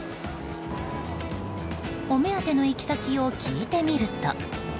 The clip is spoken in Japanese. お目当ての行き先を聞いてみると。